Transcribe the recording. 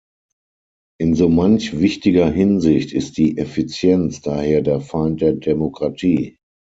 In so manch wichtiger Hinsicht ist die Effizienz daher der Feind der Demokratie.